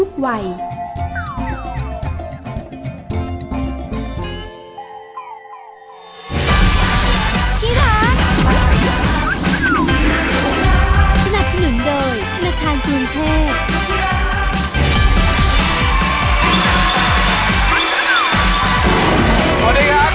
สวัสดีครับทุกคนครับ